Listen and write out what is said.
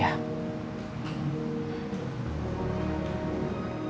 aku juga seneng